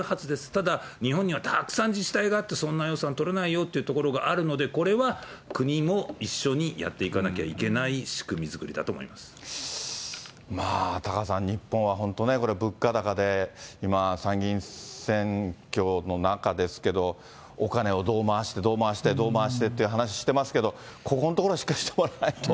ただ、日本にはたくさん自治体があって、そんな予算取れないよってところがあるので、これは国も一緒にやっていかなきゃいけない仕組み作りだと思いままあ、タカさん、日本は本当、これ物価高で今、参議院選挙の中ですけど、お金をどう回してどう回してどう回してっていう話してますけれども、ここんところ、しっかりしてもらわないと。